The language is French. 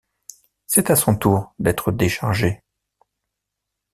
C’est à son tour d’être déchargée.